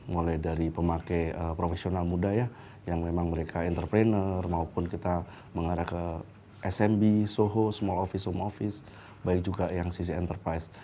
mulai dari pemakai profesional muda ya yang memang mereka entrepreneur maupun kita mengarah ke smb soho small office home office baik juga yang sisi enterprise